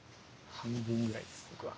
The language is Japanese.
半分ぐらいです僕は。